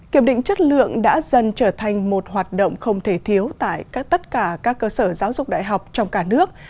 kiểm định chất lượng đã dần trở thành một hoạt động không thể thiếu tại tất cả các cơ sở giáo dục đại học trong cả nước